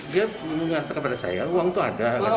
dia mengatakan kepada saya uang itu ada